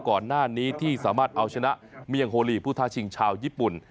ก่อนหน้านี้ที่สามารถเอาชนะเมียงโฮลีผู้ท้าชิงชาวญี่ปุ่น